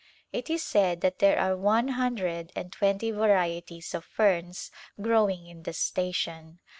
It is said that there are one hundred and twenty varieties of ferns growing in the station.